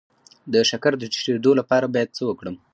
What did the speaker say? د شکر د ټیټیدو لپاره باید څه وکړم؟